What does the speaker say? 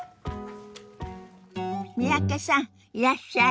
三宅さんいらっしゃい。